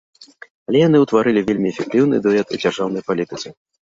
Але яны ўтварылі вельмі эфектыўны дуэт у дзяржаўнай палітыцы.